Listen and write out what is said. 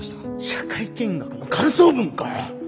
社会見学の感想文かよ！